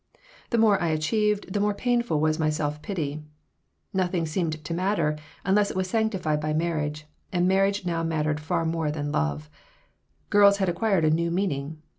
The more I achieved, the more painful was my self pity Nothing seemed to matter unless it was sanctified by marriage, and marriage now mattered far more than love Girls had acquired a new meaning.